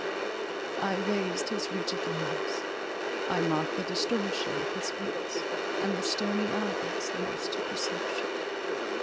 I raised his rigid limbs, I marked the distortion of his face, and the stony eyes lost to perception.